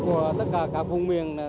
của tất cả cả vùng miền